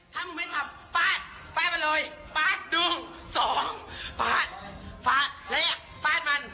ถ้ามึงไม่ขับฟาดฟาดไปเลยฟาดดุงสองฟาดฟาดและฟาดมัน